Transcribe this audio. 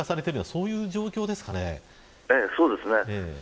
そうですね。